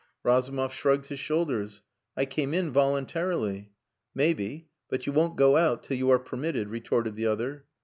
Razumov shrugged his shoulders. "I came in voluntarily." "Maybe. But you won't go out till you are permitted," retorted the other.